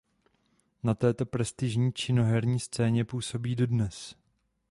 Na této prestižní činoherní scéně působí dodnes.